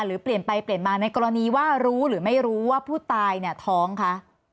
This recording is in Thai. เปลี่ยนไปเปลี่ยนมาในกรณีว่ารู้หรือไม่รู้ว่าผู้ตายเนี่ยท้องคะ